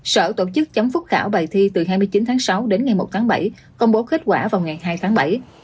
sở tổ chức chấm phúc khảo bài thi từ hai mươi chín tháng sáu đến ngày một tháng bảy công bố kết quả vào ngày hai tháng bảy